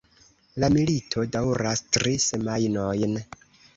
La milito daŭras tri semajnojn.